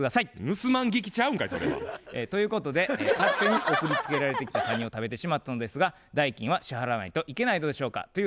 盗まん聞きちゃうんかいそれは。ということで勝手に送り付けられてきたカニを食べてしまったのですが代金は支払わないといけないのでしょうかという相談でやってまいりました。